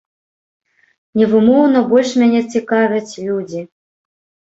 Невымоўна больш мяне цікавяць людзі.